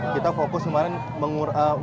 kita fokus kemarin menyamakan dulu ya ya